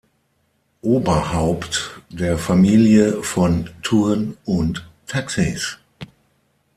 Oberhaupt der Familie von Thurn und Taxis.